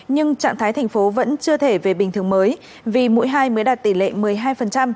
nhưng trạng thái thành phố vẫn chưa thể về bình thường mới vì mũi hai mới đạt tỷ lệ một mươi hai